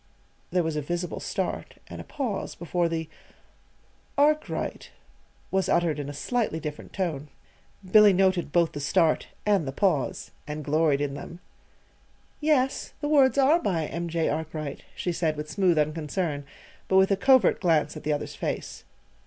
there was a visible start, and a pause before the "'Arkwright'" was uttered in a slightly different tone. Billy noted both the start and the pause and gloried in them. "Yes; the words are by M. J. Arkwright," she said with smooth unconcern, but with a covert glance at the other's face.